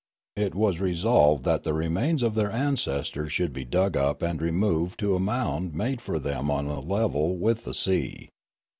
It was resolved that the remains of their ancestors should be dug up and re moved to a mound made for them on a level with the sea.